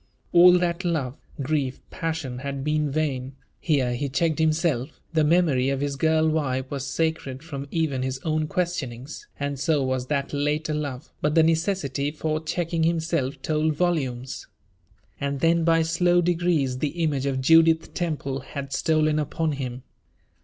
All that love, grief, passion, had been vain; here he checked himself; the memory of his girl wife was sacred from even his own questionings; and so was that later love, but the necessity for checking himself told volumes. And then, by slow degrees, the image of Judith Temple had stolen upon him.